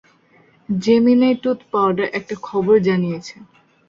Gemini tooth powder একটা খবর জানিয়েছে।